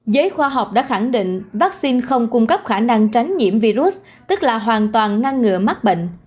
giới khoa học đã khẳng định vaccine không cung cấp khả năng tránh nhiễm virus tức là hoàn toàn ngăn ngừa mắc bệnh